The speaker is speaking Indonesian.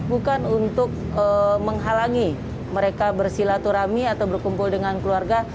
bukan untuk menghalangi mereka bersilaturahmi atau berkumpul dengan keluarga